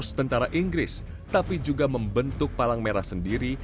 dan menjadikan tentara inggris tapi juga membentuk palang merah sendiri